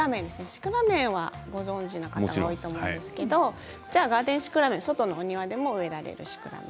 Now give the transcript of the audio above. シクラメンはご存じの方多いと思いますがガーデンシクラメン外のお庭でも植えられます。